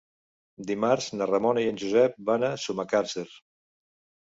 Dimarts na Ramona i en Josep van a Sumacàrcer.